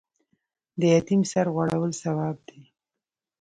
د یتیم سر غوړول ثواب دی